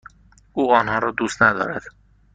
او آنها را دوست ندارد.